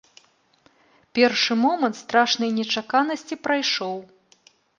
Першы момант страшнай нечаканасці прайшоў.